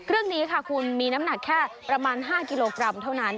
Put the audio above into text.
เครื่องนี้ค่ะคุณมีน้ำหนักแค่ประมาณ๕กิโลกรัมเท่านั้น